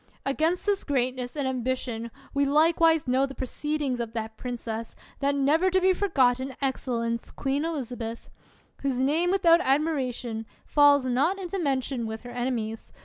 Against this greatness and ambition we likewise know the proceedings of that princess, that never to be forgotten excellence, Queen Elizabeth; whose name, without admiration, falls not into mention with her enemies.